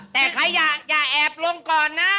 แต่ใครอยากตรงก่อนนะ